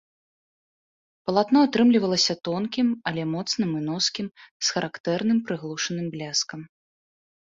Палатно атрымлівалася тонкім, але моцным і носкім, з характэрным прыглушаным бляскам.